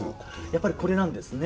やっぱりこれなんですね。